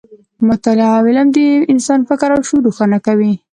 مطالعه او علم د انسان فکر او شعور روښانه کوي.